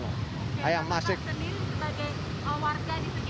jadi anda sendiri sebagai warga di sekitar jalan